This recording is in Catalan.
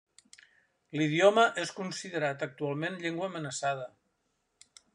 L'idioma és considerat actualment llengua amenaçada.